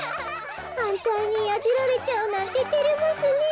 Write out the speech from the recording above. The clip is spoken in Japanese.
はんたいにヤジられちゃうなんててれますねえ。